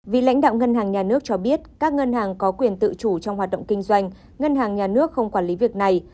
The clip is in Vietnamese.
vì lãnh đạo ngân hàng nhà nước cho biết các ngân hàng có quyền tự chủ trong hoạt động kinh doanh ngân hàng nhà nước không quản lý việc này